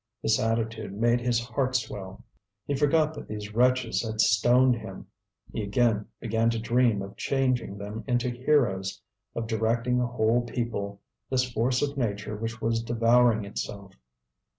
This attitude made his heart swell; he forgot that these wretches had stoned him, he again began to dream of changing them into heroes, of directing a whole people, this force of nature which was devouring itself.